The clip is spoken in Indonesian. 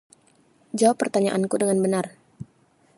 Jawab pertanyaanku dengan benar.